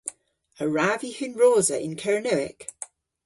A wrav vy hunrosa yn Kernewek?